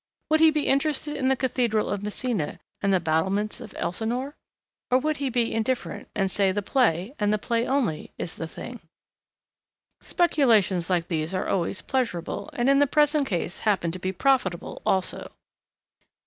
Would he be interested in the Cathedral of Messina, and the battlements of Elsinore? Or would he be indifferent, and say the play, and the play only, is the thing? Speculations like these are always pleasurable, and in the present case happen to be profitable also.